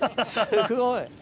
すごい。